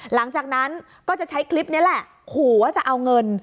หลังจากนั้นก็จะใช้คลิปนี้แหละขู่ว่าจะเอาเงิน